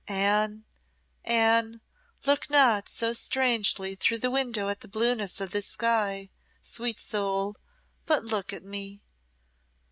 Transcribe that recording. Anne, Anne, look not so strangely through the window at the blueness of the sky, sweet soul, but look at me."